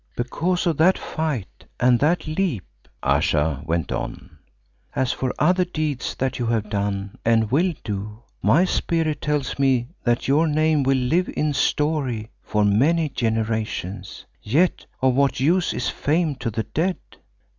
"Because of that fight and that leap," Ayesha went on, "as for other deeds that you have done and will do, my Spirit tells me that your name will live in story for many generations. Yet of what use is fame to the dead?